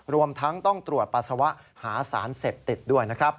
รวมทั้งต้องตรวจปัสสาวะหาสารเสพติดด้วยนะครับ